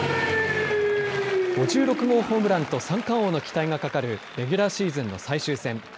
５６号ホームランと三冠王の期待がかかるレギュラーシーズンの最終戦。